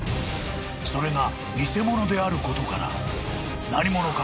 ［それが偽物であることから］